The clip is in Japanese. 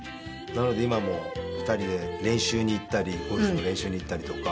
なので今も２人で練習に行ったりゴルフの練習に行ったりとか。